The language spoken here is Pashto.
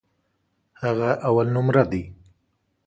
هغه اولنومره دی.